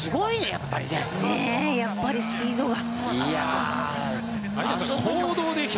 やっぱりスピードが。